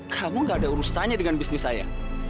kamu gak ada urusannya dengan bisnis saya